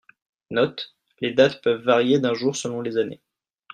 Note : les dates peuvent varier d'un jour selon les années.